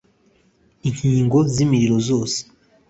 Inkongi z’imiriro zose